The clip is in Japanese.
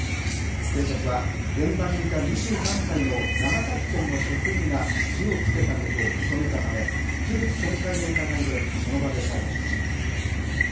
警察は、現場にいた２３歳の長崎県の職員が火をつけたことを認めたため、器物損壊の疑いでその場で逮捕しました。